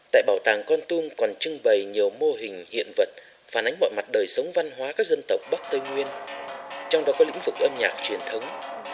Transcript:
tại bảo tàng con tum còn trưng bày nhiều mô hình hiện vật phản ánh mọi mặt đời sống văn hóa các dân tộc bắc tây nguyên trong đó có lĩnh vực âm nhạc truyền thống